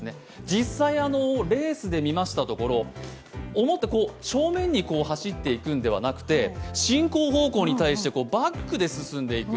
実際、レースで見ましたところ、正面に走っていくのではなくて進行方向に対してバックで進んでいく。